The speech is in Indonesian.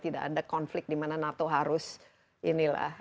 tidak ada konflik dimana nato harus inilah